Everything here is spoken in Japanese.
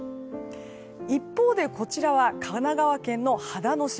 一方でこちらは神奈川県の秦野市。